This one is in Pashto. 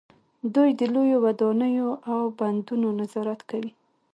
دوی د لویو ودانیو او بندونو نظارت کوي.